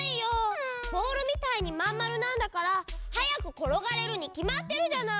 ボールみたいにまんまるなんだからはやくころがれるにきまってるじゃない。